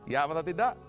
ya atau tidak